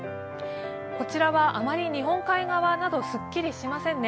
こちらはあまり日本海側などすっきりしませんね。